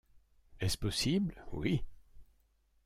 Est-ce possible ? oui.